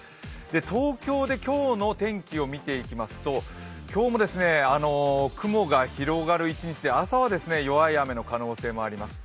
東京で今日の天気を見ていきますと今日も雲が広がる一日で朝は弱い雨の可能性もあります。